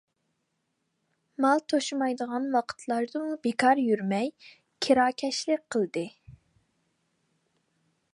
مال توشۇمايدىغان ۋاقىتلاردىمۇ بىكار يۈرمەي كىراكەشلىك قىلدى.